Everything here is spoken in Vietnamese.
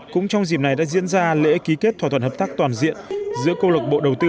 cũng trong dịp này đã diễn ra lễ ký kết thỏa thuận hợp tác toàn diện giữa câu lục bộ đầu tư